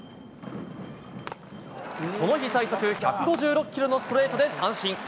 この日最速１５６キロのストレートで三振。